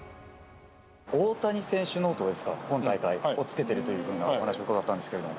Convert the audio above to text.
大谷選手ノートですか、今大会、つけているというふうにお話伺ったんですけれども。